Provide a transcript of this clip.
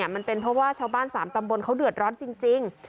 มันเป็นเพราะว่าชาวบ้าน๓ตำบลเขาเดือดร้อนจริง